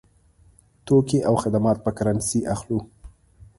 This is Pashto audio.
توکي او خدمات په کرنسۍ اخلو.